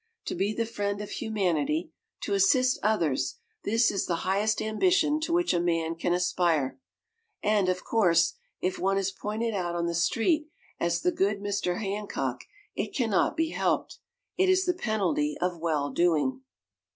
To be the friend of humanity, to assist others this is the highest ambition to which a man can aspire! And, of course, if one is pointed out on the street as the good Mr. Hancock it can not be helped. It is the penalty of well doing.